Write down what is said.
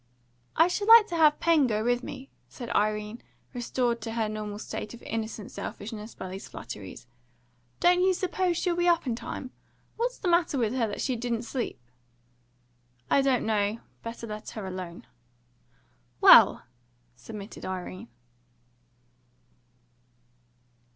"I should have liked to have Pen go with me," said Irene, restored to her normal state of innocent selfishness by these flatteries. "Don't you suppose she'll be up in time? What's the matter with her that she didn't sleep?" "I don't know. Better let her alone." "Well," submitted Irene.